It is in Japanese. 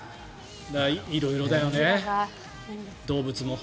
だから、色々だよね、動物も。